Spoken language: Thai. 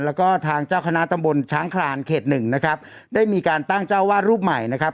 แล้วก็ทางเจ้าคณะตำบลช้างคลานเขตหนึ่งนะครับได้มีการตั้งเจ้าวาดรูปใหม่นะครับ